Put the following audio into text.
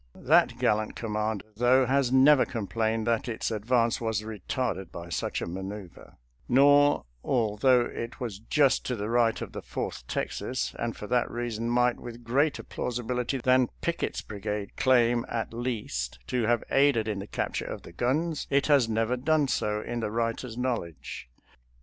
That gallant com mand, though, has never complained that its advance was retarded by such a maneuver; nor, although it was just to the right of the Fourth Texas, and for that reason might with greater plausibility than Pickett's brigade claim, at least, to have aided in the capture of the guns, it has never done so in the writer's knowledge.